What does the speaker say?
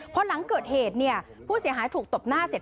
เพราะหลังเกิดเหตุผู้เสียหายถูกตบหน้าเสร็จ